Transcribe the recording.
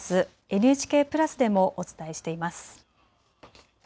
ＮＨＫプラスでもお伝えしています。